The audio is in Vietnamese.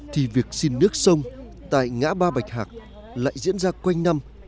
thì việc xin nước sông tại ngã ba bạch hạc lại diễn ra quanh năm